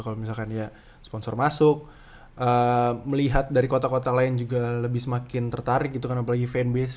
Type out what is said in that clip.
kalau misalkan dia sponsor masuk melihat dari kota kota lain juga lebih semakin tertarik gitu kan apalagi fanbase